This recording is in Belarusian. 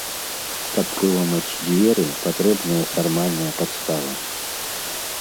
Каб выламаць дзверы, патрэбная фармальная падстава.